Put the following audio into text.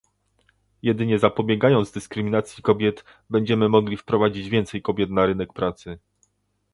Jedynie zapobiegając dyskryminacji kobiet będziemy mogli wprowadzić więcej kobiet na rynek pracy